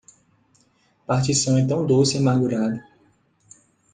Partição é tão doce e armagurado